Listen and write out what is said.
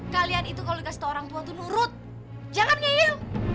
kalian itu kalau dikasih tahu orang tua tuh nurut jangan ngeyel